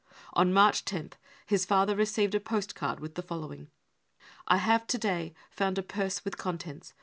On March xoth his father received post card with the following :" c I have to day found a purse with contents.